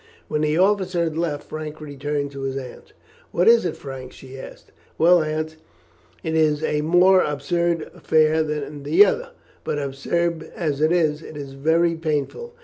When the officer had left, Frank returned to his aunt. "What is it, Frank?" she asked. "Well, Aunt, it is a more absurd affair than the other; but, absurd as it is, it is very painful.